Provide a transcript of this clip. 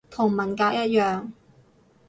同文革一樣